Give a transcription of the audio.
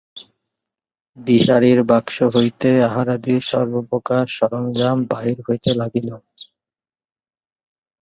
বিহারীর বাক্স হইতে আহারাদির সর্বপ্রকার সরজ্ঞাম বাহির হইতে লাগিল।